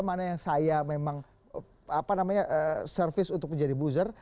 mana yang saya memang apa namanya service untuk menjadi buzzer